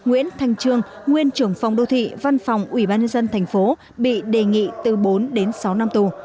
nguyễn thành trương nguyên trưởng phòng đô thị văn phòng ubnd tp bị đề nghị từ bốn đến sáu năm tù